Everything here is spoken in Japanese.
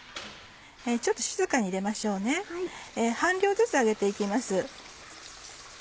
ちょっと静かに入れましょうね半量ずつ揚げて行きます。